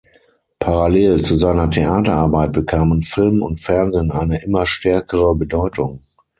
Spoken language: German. Parallel zu seiner Theaterarbeit bekamen Film und Fernsehen eine immer stärkere Bedeutung.